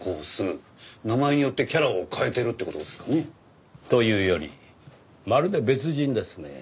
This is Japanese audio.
名前によってキャラを変えてるって事ですかね。というよりまるで別人ですねぇ。